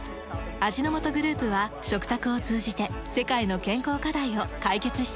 味の素グループは食卓を通じて世界の健康課題を解決していきます。